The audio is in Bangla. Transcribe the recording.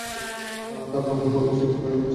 তাঁর মনে হল, শুধু পানিতে কাজ হবে না।